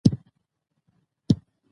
یوه ورځ یې له هوا ښار ته ورپام سو